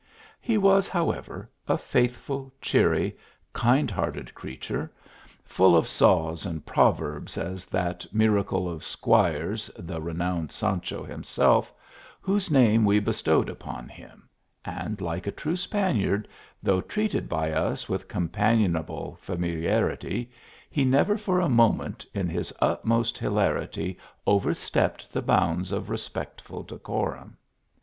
He was, however, a raithful, cheery, kind hearted creature, full of saws and proverbs as that miracle of squires, the renowned Sancho himself, whose name we bestowed upon him ; and, like a true Spaniard, though treated by us with companionable familiarity, he never for a moment in his utmost hilarity, outstripped the bounds of respect ful decorum.